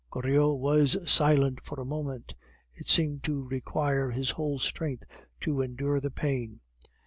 Goriot was silent for a moment; it seemed to require his whole strength to endure the pain.